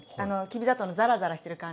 きび砂糖のザラザラしてる感じ。